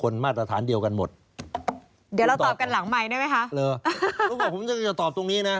แล้วผมจะตอบตรงนี้นะ